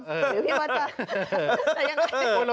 หรือพี่เบิร์ตจะ